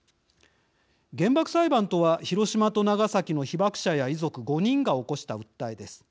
原爆裁判とは広島と長崎の被爆者や遺族５人が起こした訴えです。